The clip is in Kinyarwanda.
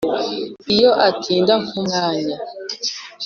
Iyo atinda nk'umwanya